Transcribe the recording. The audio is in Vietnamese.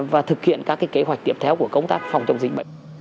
và thực hiện các kế hoạch tiếp theo của công tác phòng chống dịch bệnh